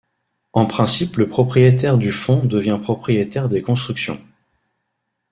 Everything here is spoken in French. En principe le propriétaire du fonds devient propriétaire des constructions.